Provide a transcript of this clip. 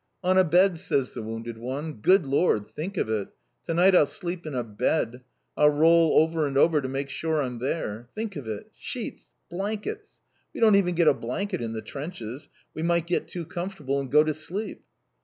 "On a bed," says the wounded one. "Good lor! Think of it! To night I'll sleep in a bed. I'll roll over and over to make sure I'm there. Think of it, sheets, blankets. We don't even get a blanket in the trenches. We might get too comfortable and go to sleep."